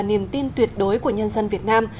niềm tin tuyệt đối của nhân dân việt nam